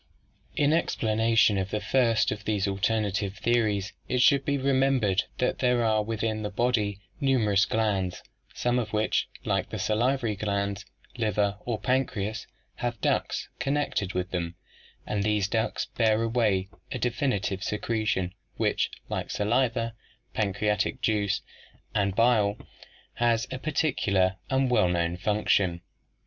In explanation of the first of these alternative theories it should be remembered that there are within the body numerous glands, some of which, like the salivary glands, liver or pancreas, have ducts connected with them, and these ducts bear away a definite secretion which, like the saliva, pancreatic juice, and bile, has a particular and well known function.